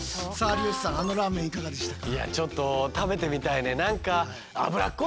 有吉さんあのラーメンいかがでしたか？